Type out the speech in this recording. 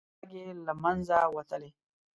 خښتګ یې له منځه وتلی.